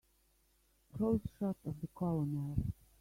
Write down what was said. Close shot of the COLONEL.